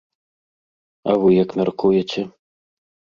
А вы як мяркуеце?